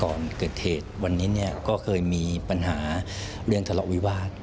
ก่อนเกิดเหตุวันนี้เนี่ยก็เคยมีปัญหาเรื่องทะเลาะวิวาส